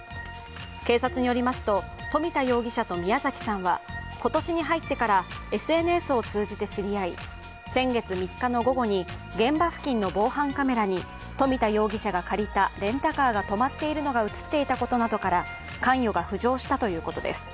警察によりますと、冨田容疑者と宮崎さんは今年に入ってからＳＮＳを通じて知り合い、先月３日の午後に現場付近の防犯カメラに冨田容疑者が借りたレンタカーが止まっているのが映っていたことなどから関与が浮上したということです。